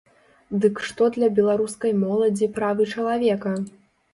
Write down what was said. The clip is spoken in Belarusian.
Дык што для беларускай моладзі правы чалавека?